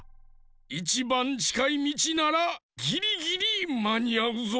いちばんちかいみちならぎりぎりまにあうぞ。